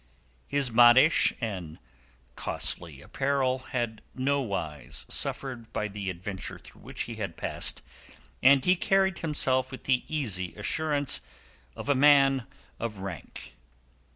His modish and costly apparel had nowise suffered by the adventure through which he had passed, and he carried himself with the easy assurance of a man of rank.